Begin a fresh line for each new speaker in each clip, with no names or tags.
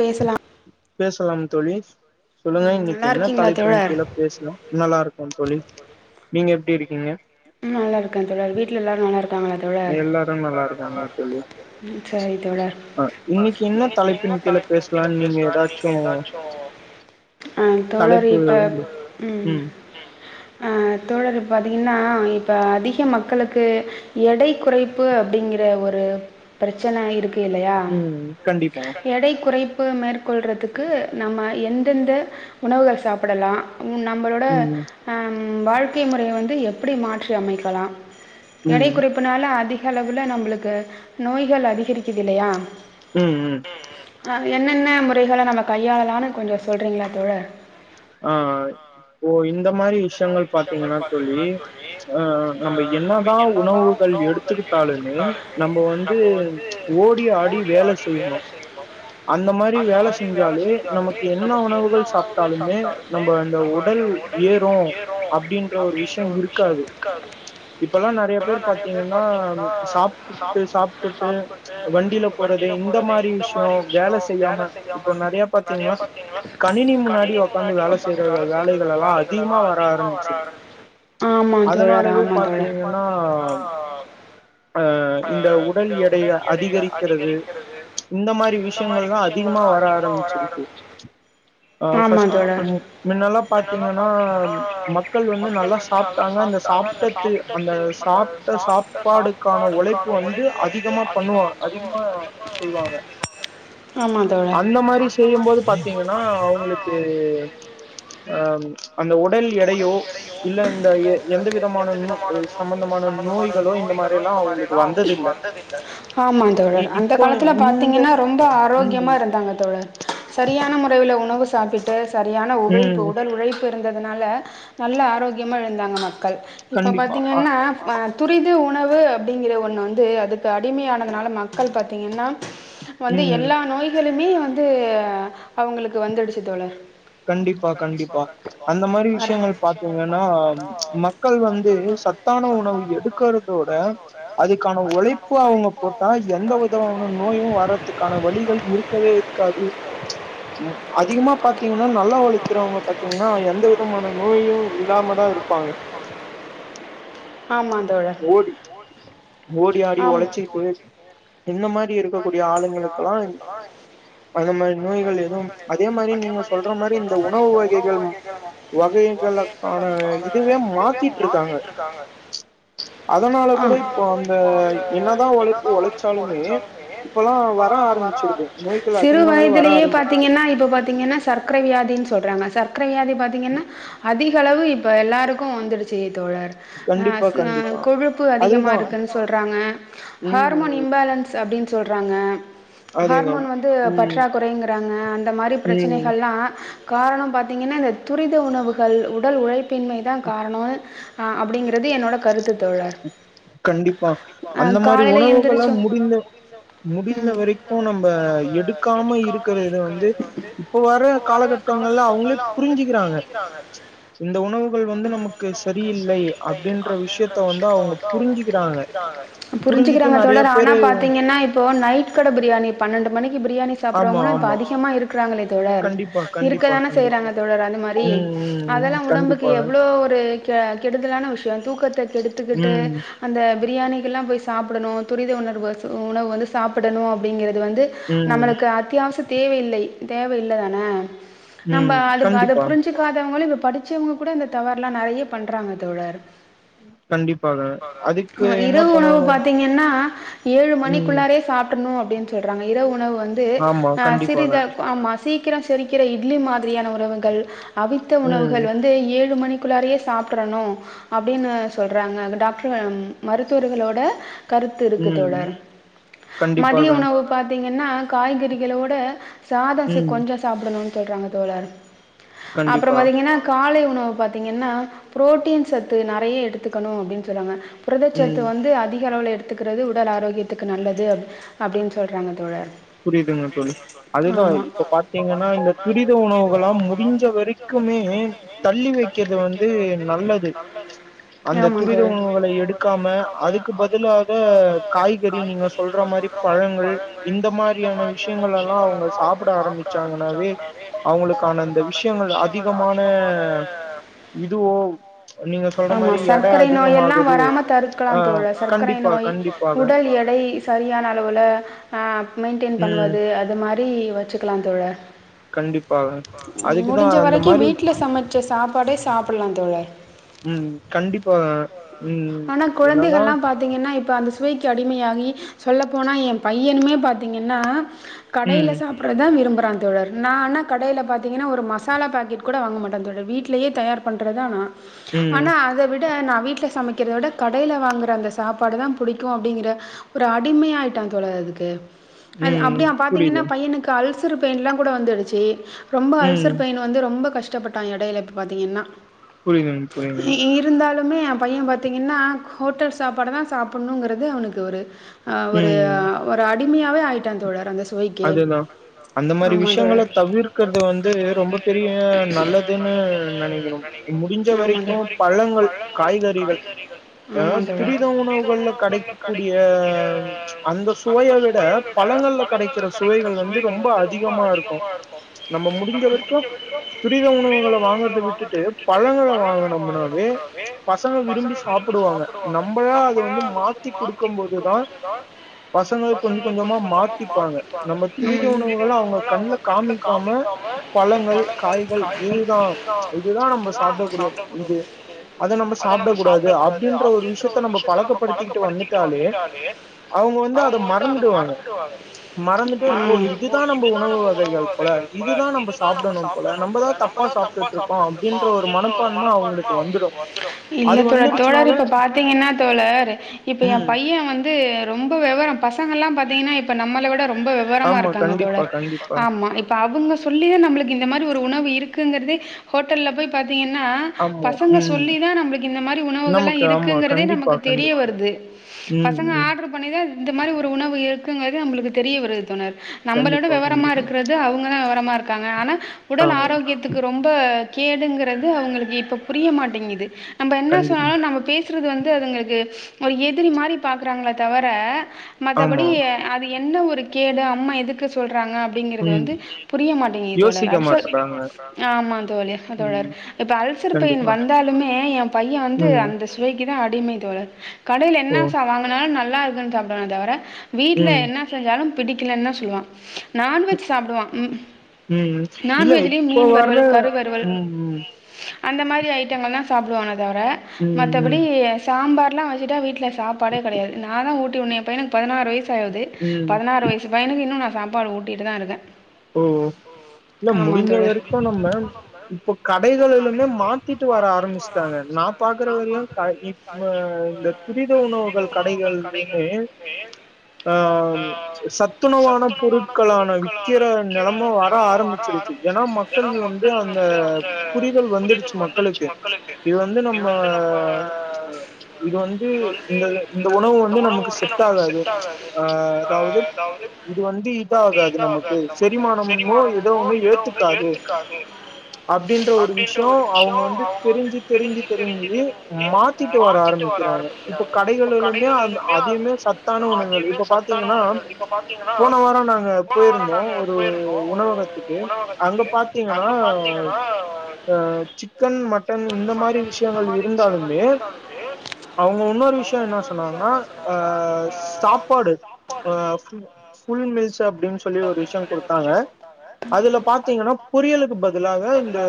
பேசலாம்
தோழி சொல்லுங்க இன்னைக்கு என்ன தலைப்புனு கீழ பேசுவோ நல்லா இருக்கு தோழி நீங்க எப்டி இருக்கிங்க
நல்லா இருக்கே தோழர் வீட்ல எல்லாரு நல்லா இருக் காங்ளா தோழர் ம் சரி தோழர் என்ன தலைப்பின் கீழ பேசலான் நீங்க எதாச்சு அ தோழர் இப்ப ம் அ தோழர் இப்ப பாத்திங்னா இப்ப அதிக மக்களுக்கு எடை குறைப்பு அப்டிங்கிற ஒரு பிரச்சனை இருக்கு இல்லையா எடை குறைப் ப்பு மேற்கொள்றதுக்கு நம்ம எந்தெந்த உணவுகள் சாப்பிடலா நம்மளோட அ வாழ்க்கை முறைய வந்து எப்படி மாற்றி அமைக்கலா எடை குறைப்புனால அதிக அளவுல நம்மளுக்கு நோய்கள் அதிகரிக்குது இல்லையா
ம் ம்
அ என்னென்ன முறைகள நம்ம கையாளலானு கொஞ்சோ சொல்றீங்களா தோழர்
ஆ ஆ ஓ இன் இந்த மாரி விஷயங்கள் பாத்தீங்கன்னா தோழி ஆ நம்ம என்னதா உணவுகள் எடுத்துக்கிட் ட்டாலுமே நம்ம வந்து ஓடி ஆடி வேல செய்யணு அந்த மாரி வேல செஞ்சாலே நமக்கு என்ன உணவுகள் சாப்ட்டாலுமே நம்ம இந்த உடல் ஏறு
ஏறு அப்டின்ற ஒரு விஷயம் இருக்காது இப்பல்லா நெறையா பேர் பாத்தீங்கன்னா சாப்பிட் சாப்புட்டு வண்டியில போறது இந்த மாரி விஷியோ வேல செய்யாம இப்ப நெறையா பாத்தீங்கன்னா கணினி முன்னா டி உக்காந்து வேல செய்றது வேலைகள் எல்லா அதிகமா வர ஆரம்பிச்சு ஆமா தோழர் ஆமா தோழர்
ஆ இந்த உடல் எடை அதிகரிக்கிறது இந்த மாரி விஷயங்கள் தா அதிக கமா வர ஆரம்பிச்சிருக்கு அ ஃபஸ்ட்டு மு மின்னல்லா பாத்தீங்கன்னா அ மக்கள் வந்து நல்லா சாப்ட்டாங்க அந்த சாப்ட்டது அந்த சாப்ட்ட சாப் பாடுக்கான உழைப்பு வந்து அதிகமா பண்ணுவாங்க அதிகமா செய்வாங்க அந்த மாரி செய்யும் போது பாத்தீங்கன்னா அவுங்களுக்கு அ ம் அந்த உடல் எடையோ இல்ல இந்த எ எந்த விதமான இன்னு சம்பந்தமான நோய்களோ இந்த
ஆமா தோழர் அந்த காலத்துல பாத்தீங்கன்னா ரொம்ப ஆரோக்கி யம்மா இருந்தாங்க தோழர் சரியான முறைவுல உணவு சாப்பிட்டு சரியான உழைப்பு உடல் உழைப்பு இருந்ததுனால நல்ல ஆரோக்கியமா இருந்தாங்க மக் கள் இப்ப பாத்தீங்கன்னா அ துரித உணவு அப்டிங்கிற ஒன்னு வந்து அதுக்கு அடிமையானதுனால மக்கள் பாத்தீங்கன்னா வந்து எல்லா நோய்களுமே வந்து அவுங்களுக்கு வந்துடுச்சு தோழர்
கண்டிப்பா கண்டிப்பா அந்த இந்த மாதிரி விஷயங்கள் பாத்தீங்கன்னா மக்கள் வந்து சத்தான உணவு எடுக்கறதோட அதுக்கான உழைப்பு அவுங்க போட்டா எந்த விதமான நோயு வர்றதுக்கான வழிகள் இருக் க்கவே இருக்காது ம் அதிகமா பாத் த்தீங்கன்னா நல்லா உழைக்கிறவுங்க பாத்தீங்கன்னா எந்த விதமான நோயு இல்லாம தா இருப்பாங்க [inaudible] ஓடி ஓடி ஆடி உழைச்சிக்கிட்டு என்ன மாரி
இந்த மாரி இருக்கக்கூடிய ஆளுங்களுக்கெல்லா
அந்த மாரி நோய்கள் எதுவு அதே மாரி நீங்க சொல்ற மாரி இந்த உணவு வகைகள் வகை
[unintelligible] இதுவே மாத்திட்டு இருக்காங்க அதனால கூட இப்ப அந்த என்னதா ஒழைப்பு ஒழைச்சாலு சிறு வயதிலேயே பாத்தீங்கன்னா இப்ப பாத்தீங்கன்னா சர்க்கரை வியாதின் சொ சொல்றாங்க சர்க்கரை வியாதி பாத்தீங்கன்னா அதிக அளவு இப்ப எல்லாருக்கு வந்துடுச்சு தோழர் அ அ கொழுப்பு அதிகமா இருக்குன்னு சொல்றாங்க ஹார்மோன் இம்பேலன்ஸ் அப்டின்னு சொல்றாங்க ஹார்மோன் வந்து பற்றா குறைங்கறாங்க அந்த மாரி பிரச்சனைகள்லா காரணம் பாத்தீங்கன்னா இந்த துரித உணவுகள் உடல் உழைப்பின்மை தா காரணோனு ஆ அப்டிங்கறது என்னோட கருத்து தோழர்
கண்டிப்பா அந்த மாரி உணவுகள முடிந்த முடிந்த வரைக்கு நம்ம எடுக்காம இருக்கிற இத வந்து இப்போ வர காலகட்ட
கட்டங்கள அவங்களே புரிஞ்சிக்கிறாங்க
இந்த உணவுகள் வந்து நமக்கு சரியில்லை அப்டின்ற விஷயத்த வந்து அவங்க
புரிஞ்சிக்கிறாங்க தோழர் ஆனா பாத்து இப்போ நைட் கட பிரியாணி பன்னெண்டு மணிக் பிரியாணி சாப்பிடறவங்களு இப்போ அதிகமா இருக்கறாங்களே தோழர் இருக்க தானே செய்றாங்க தோழர் அந்த மாரி அதெல்லா உடம்புக்கு எவ்ளோ ஒரு கெடுதலான விஷய தூக்கத்தை கெடுத்துக்கிட்டு அந்த பிரியாணி எல்லா போய் சாப்டணு துரித உணர்வு உணவு வந்து சாப்டணு அப்படிங்கறது அது வந்து நம்மளுக்கு அத்தியாவசிய தேவையில்லை தேவையில்லதான நம்ம அது அதை புரிஞ்சிகாதவங்களு படிச்சவங்க கூட இந்த தவறெல்லா நிறய பண்றாங்க தோழர் இரவு உணவு பாத்தீங்கன்னா ஏழு மணிக்குள்ளாரே சாப்ட்றணு அப்டின்னு சொல்றாங்க இரவு உணவு வந்து சிறிதா சீக்கிரம் செரிக்கிற இட்லி மாதிரியான உணவுகள் அவித்த உணவுகள் வந்து ஏழு மணி குள்ளாரியே சாப்றணு அப்டின்னு சொல்றாங்க டாக்டர் மருத்துவர்களோட கருத்து தோழர் மதிய உணவு பாத்தீங்கன்னா காய்கறிகளோட சாத கொஞ்ச சாப்டணும் சொல்றாங்க தோழர் அப்புறம் பாத்தீங்கன்னா காலை உண வூ பாத்தீங்கன்னா புரோட்டீன் சத்து நெறய எடுத்துக்கணு அப்டின்னு சொல்லுவாங்க புரதட்சத்து வந்து அதிக அளவில் எடுத்துக்கிறது உடல் ஆரோக்கியத்துக்கு நல்லது அப் அப்படின்னு சொல்றாங்க தோழர்
புரியுதுங்க தோழி அதுதா இப்ப பாத்தீங்கன்னா இந்த துரித உணவுகளாம் முடிஞ்ச வரைக்கு தள்ளி வைக்கிறது வந்து நல்லது அந்த துரித உணவுகளை எடுத் க்காம அதுக்கு பதிலா ஆ காய்கறி நீங்க சொல்ற மாரி பழங்கள் இந்த மாரி விஷயங்க எல்லா அவங்க சாப்பிட ஆரம்பிச்சாங்கன்னாவே அவங்களுக்கான அந்த விஷயங்கள் அதிக
அதிகமான ஆமா சர்க்கரை நோய் எல்லா வராம தறுக்கலா தோழர் சர்க்கரை நோய் உடல் எடை சரியான அளவுல அமை பண்ணுவது அது மாரி வச்சுக்கலா தோழர் ம் முடிஞ்ச வரைக்கு வீட்ல சமைச்ச சாப்பாடே சாப்டலா தோழர்
ம் கண்டிப்பா ம் என்னதா
பாத்தீங்கன்னா இப்ப அந்த சுவைக்கு அடிமையாகி சொல்ல போனா என் பையனுமே பாத்தீங்கன்னா கடையில சாப்பிடறதா விரும்ப தோழர் நா ஆனா கடையில பாத்தீங்கன்னா ஒரு மசாலா பாக்கெட் கூட வாங்க மாட்டேன் தோழர் வீட்டிலயே தயார் பண்ணுறதுதா நா ஆனா அத விட நா வீட்ல சமைக்கிறத விட கடைல வாங்குற அந்த சாப்பாடு தா புடிக்கு அப்படிங்கற ஒரு அடிமையாயிட்டா தோழர் அதுக்கு அது அப்படிய பாத்தீங்கன்னா பையனுக்கு அல்ச அல்சர் பெயின்லாம் கூட வந்துடுச்சு ரொம்ப அல்சர் பெயின் வந்து ரொம்ப கஷ்டப்பட்டான் எடையில இப்போ பாத்தீங்கன்னா
புரியுதுங் புரியுதுங்
இன்று என் பையன் பாத்தீங்கன்னா ஹோட்டல் சாப்பாடு தான் சாப்புட்ணும்ங்கிறது அவனுக்கு ஒரு ஒரு ஒரு அடிமையாவே ஆயிட்டான் தோழர் அந்த சுவைக்கு
அந்த மாதிரி விஷயங்கள தவிர்க்கறது வந்து ரொம்ப பெரிய நல்லதுன்னு நினைக்கனோம் முடிஞ்ச வரைக்கும் பழங்கள் காய்கறிகள் ஏன்னா துரித உணவுகள்ல கடைக்கக்க கூடிய அந்த சுவையை விட பழங்கள்ல கெடைக்கிற சுவைகள் வந்து ரொம்ப அதிகமா இருக்கும் நம்ம முடிஞ்ச வரைக்கும் துரித உண ங்கள வாங்கறத விட்டுட்டு பழங்களை வாங்குனும்னாவே பசங்க விரும்பி சாப்புடுவாங்க நம்ம நம்பளா அது வந்து மாத்தி குடுக்கும் போதுதான் பசங்க கொஞ்ச கொஞ்சமா மாத்த
மாத்திப்பாங்க நம்ம துரித உணவுகள அவங்க கண்ல காமிக்காம பழங்கள் காய் இதுதா இதுதா நம்ம சாப்பிடக்கூடிய அத நம்ம சாப்டக் கூடாது அப்டின்ற ஒரு விஷயத்த நம்ம பழக்கப்படுத்திக்கிட்டு வந்துட்டாலே அவுங்க வந்து அத மறந்துடுவாங்க ம் இதுதா நம்ம உணவு வகைகள் போல இதுதா நம்ம சாப்டணும் போல நம்மதா தப்பா சாப்ட்டுட்ருக்கோம் அப்டின்ற ஒரு மனப்பான்ம அவுங்ளுக்கு வந்துரும் இல்ல தோ தோழரே இப்ப பார்த் பாத்தீங்கன்னா தோழர் இப்ப எம் பைய வந்து ரொம்ப வெவரம் பசங்கல்லாம் பாத்தீங்கன்னா இப்ப நம்மள விட ரொம்ப வெவரமா இருக்காங்க தோழர் ஆமா கண்டிப்பா ஆமா இப்ப அவுங்க சொல்லிதான் நம்மளுக்கு இந்த மாரி ஒரு உணவு இருக்கு ங்கறிறது ஹோட்டல்ல போய் பாத்தீங்கன்னா பசங்க சொல்லி தான் நம்மளுக்கு இந்த மாதிரி உணவுகள்ளாம் இருக்கு இருக்குறதே நமக்கு தெரிய வருது பசங்க ஆட்ரு பண்ணிதா இந்த மாதிரி ஒரு உணவு இரு இருக்குங்கறதே நம்மளுக்கு தெரிய வருது தோணர் நம்மளோட வெவரமா இருக்றது அவுங்கதா வெவரமா இருக்காங்க ஆனா உடல் ஆரோக்கியத்துக்கு ரொம்ப கேடுங்கறது அவுங்களுக்கு இப்ப புரிய மாட்டேங்கிது நம்ம என்ன சொன்னாலு நம்ம பே திட்றது வந்து அதுங்களுக்கு ஒரு எதிரி மாதிரி பாக்குறாங்களே தவர மத்தபடி அது என்ன ஒரு கேடு அம்மா எதுக்கு சொல் றாங்க அப்டிங்கிறது வந்து புரிய மாட்டேங்கிது தோழர் அர்சோ ஆமான் தோழி தோழர் இப்ப அல்சர் பெய்ன் வந்தாலுமே எ பையன் வந்து அந்த கிதா அடிமை தோழர் கடேல என்ன ச வாங்குனாலு நல்லா இருக்குன் சாப்பற்றாங் தவர வீட்ல என்னா செஞ்சாலு பிடிக்கலன்தா சொல்லுவா நான்வெஜ் சாப்டுவா ம் நான்வெஜ்லயு மீன் வருவல் கறிவறுவல் அந்த மாரி ஐட்டங்கள்ளா சாப்டுவானே தவர மத்தபடி சாம்பார் லா வச்சுட்டா வீட்ல சாப்பாடே கெடையாது நானே ஊட்டி உடணு எ பையனுக்கு பதனாறு வயசு ஆகுது பதனாறு வயசு பையனுக்கு இன்னு நா சாப்பாடு ஊட்டிட் தா இருக்கே
ஓ இல்ல முடுஞ்ச வரைக்கு நம்ம இப்ப கடைகளிலுமே மாத்திட்டு வர ஆரம்பிஸ்டாங்க நா பாத்
நா பாக்குறது வரையு ச இப்ப இந்த துரித உணவுகள் கடைகள்க்குமே
ஆ சத்துணவான பொருட்களான விக்கிற நெலம வர ஆரம்பிச்சுறுச்சு ஏன்னா மக்கள் வந்து அந்த புரிதல் வந்துடுச்சு மக்களுக்கு இது வந்து நம்ம இது வந்து இந்த இந்த உணவு வந்து நமக்கு செட் ஆகாது ஆ அதாவது இது வந்து இதாகாது நமக்கு செரிமானம்மோ எதோ ஒன்னு ஏத்துக்காது அப்டின்ற ஒரு விஷ்யோ அவுங்க வந்து தெருஞ்சு தெருஞ்சு தெருஞ்சு மாத்திட்டு வர ஆரம்பிக்கிறாங்க இப்ப கடைகளிலுமே அந்த அதயுமே சத்தான உணவுகள் இப்ப பாத்தீங்கன்னா போன வாரோ நாங்க போயிருந் தோ ஒரு உணவகத்துக்கு அங்க பாத்தீங்கன்னா ஆ சிக்கன் மட்டன் இந்த மாரி
இந்த மாரி விஷயங்கள் இருந்தாலுமே
அவுங்க வுன்னோரு விஷ்யோ என்னா சொன்னாங்ன்னா ஆ சாப்பாடு ஆ ஃபுல் ஃபுல் மீல்ஸ் அப்டின் சொல்லி ஒரு விஷ்யோ குடுத்தாங்க அதுல பாத்தீங்னா பொரியலுக்கு பதிலாக இந்த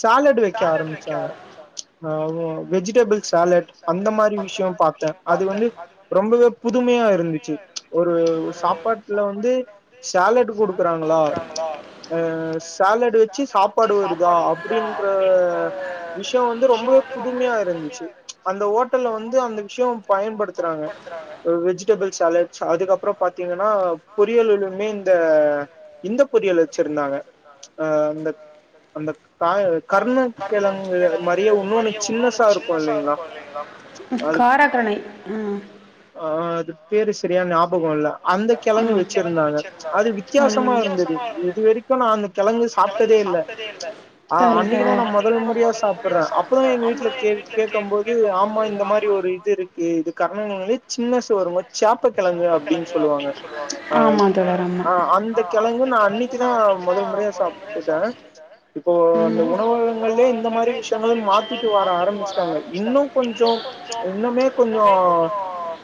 சாலட் வைக்க ஆரம்பிச்
வக்க ஆரம்பிச்சாங்க
அ வொ வெஜிடபிள் சாலட் அந்த மாரி விஷ்யோ பாத்தெ அது வந்து ரொம்பவே புது மையா இருந்துச்சு ஒரு சாப்பாட்ல வந்து சாலட் குடுக்குறாங்களா ஆ சாலட் வச்சு சாப்பாடு வருதா அபுடின் ன்ட்ற விஷ்யோ வந்து ரொம்பவே புதுமையா இருந்துச்சு அந்த ஓட்டல்ல வந்து அந்த விஷ்யோ பயன்படுத்துறாங்க அ வெஜுடபுள் சாலட்ஸ் அதுகப்பறோ பாத்தீங்கனா பொறியல் மீன்த இந்த பொரியல் வச்சுருந்தாங்க அ அந்த அந்த கா கர்னகெழங்கு
காராகருனை ம்
ஆ அது பேரு சரியா ஞாபகோ இல்ல அந்த கெழங்கு வச்சிருந்தாங்க அது வித்யாசமா இருந்தது இது வரைக்கு நா அந்த கெழங்கு சாப்ட்டதே இல்ல ஆ அந் அன்னக்கி தா நா மொதல் முறையா சாப்பற்றே அப்பதா எங்க வீட்ல கே கேக்கம் போது ஆமா இந்த மாரி ஒரு இது இருக் கு இது கர்னகெழங்குலயே சின்னசு ஒரு மாரி சேப்ப கெழங்கு
ஆமான் தோழர் ஆ
ஆ அந்த கெழங்கு நா அன்னகிதா மொதல் முறையா சாப்ட்டுட்டே இப்போ அந்த உணவகங்ள்லயே இந்த மாரி விஷ்யங்கள் மாத்திட்டு வர ஆரம்பிச்ட்டாங்க இன்னு கொஞ்சோ இன்னுமே கொஞ்சோ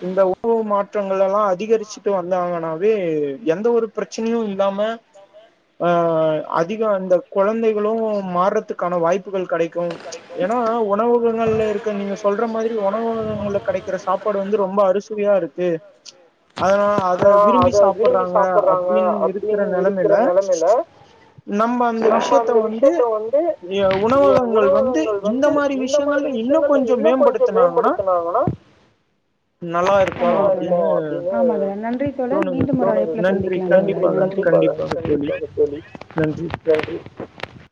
இந்த உணவு மாற்றங்களல்லா அதிகரிசுட்டு வந்தாங்கனாவே எந்த ஒரு ப்ரச்சனையு இல்லாம அ அதிகொ அந்த கொழந்தைளு மார்றத்துகான வாய்ப்புகள் கெடைக்கூ ஆனா ஒணவகங்கள்ல இருக்க நீங்க சொல்ற மாரி ஒணவகங்கள்ல கெடைக்ற சாப்பாடு வந்து ரொம்ப அறுசுவயாருக் க்கு அதனால அத விரும்பி சாப் ட்றாங்க அப்டினு இருக்ற நெலமைல நம்ம அந்த விஷ்யத்த வந்து ய உணவகங்கள் வந்து இந்த மாரி விஷ்யங்கள் ல இன்னு கொஞ்சோ மேம்படுத்னாங்னா நல்லா இருக்கூ அப்டினு
ஆமாங்க நன்றி தோழர் மீண்டும் இன்னொரு அழைப்புல சந்திக்கலாம் தோழர் நன்றி [inaudible]